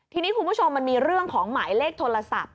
ทีนี้คุณผู้ชมมันมีเรื่องของหมายเลขโทรศัพท์